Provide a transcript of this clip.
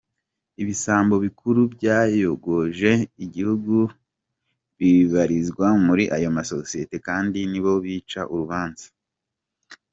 Ibisambo bikuru byayogoje igihugu bibarizwa muri ayo masosiyete kandi nibo bica urubanza.